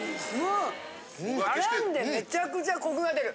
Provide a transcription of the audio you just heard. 絡んでめちゃくちゃコクが出る。